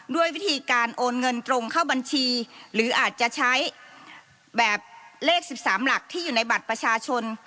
ด้วยวิธีการโอนเงินตรงเข้าบัญชีหรืออาจจะใช้แบบเลข๑๓หลักที่อยู่ในบัตรประชาชน